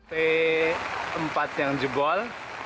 pempat yang jebol